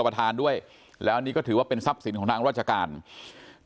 ประธานด้วยแล้วนี่ก็ถือว่าเป็นทรัพย์สินของทางราชการ